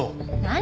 何？